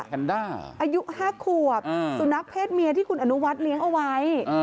แนนด้าอายุ๕ขวบสุนัขเพศเมียที่คุณอนุวัฒน์เลี้ยงเอาไว้